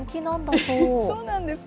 そうなんですか。